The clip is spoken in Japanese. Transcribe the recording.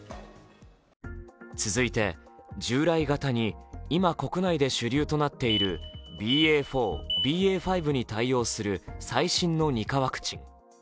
続いて従来型に今、国内で主流となっているＢＡ．４、ＢＡ．５に対応する最新の２価ワクチン。